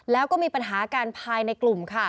แล้วก็มีปัญหากันภายในกลุ่มค่ะ